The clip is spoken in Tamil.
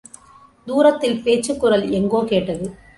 தூரத்தில் பேச்சுக்குரல் எங்கோ கேட்டது.